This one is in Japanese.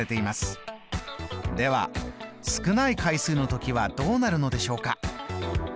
では少ない回数の時はどうなるのでしょうか。